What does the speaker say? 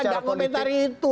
saya tidak mempertaruhi itu